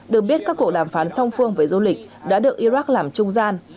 được biết các cuộc đàm phán song phương về du lịch đã được iraq làm trung gian